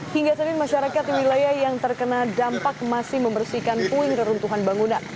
hingga senin masyarakat di wilayah yang terkena dampak masih membersihkan puing reruntuhan bangunan